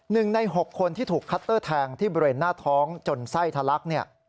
๑ใน๖คนที่ถูกคัตเตอร์แทงที่เบรนหน้าท้องจนไส้ทะลัก